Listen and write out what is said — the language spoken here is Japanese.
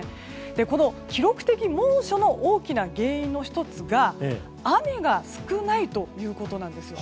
この記録的猛暑の大きな原因の１つが雨が少ないということなんですよ。